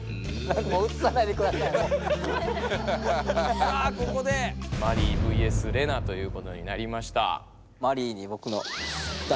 さあここでマリイＶＳレナということになりました。